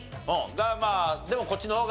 まあでもこっちの方が。